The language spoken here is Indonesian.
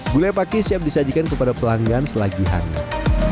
gulai paki siap disajikan kepada pelanggan selagi hangat